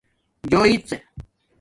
جݸݵژ